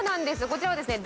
こちらはですね。